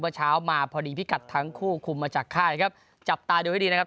เช้ามาพอดีพิกัดทั้งคู่คุมมาจากค่ายครับจับตาดูให้ดีนะครับ